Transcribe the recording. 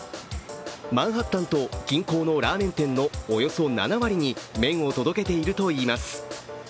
マンハッタンと近郊のラーメン店のおよそ７割に麺を届けているといいます。